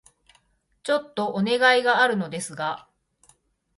ちょっとお願いがあるのですが...